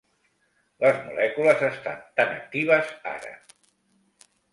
Les molècules estan tan actives ara!